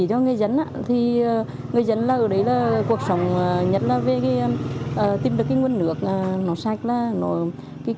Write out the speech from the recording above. chỉ cho người dân người dân ở đấy là cuộc sống nhất là tìm được nguồn nước sạch